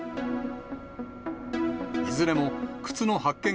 いずれも靴の発見